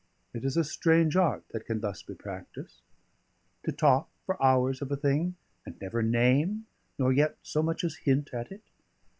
It is a strange art that can thus be practised; to talk for hours of a thing, and never name nor yet so much as hint at it.